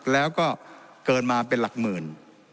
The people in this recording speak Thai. แล้วก็เกินมาเป็นหลักหมื่น